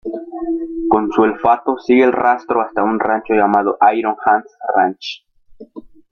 Con su olfato sigue el rastro hasta un rancho llamado "Iron Hans Ranch".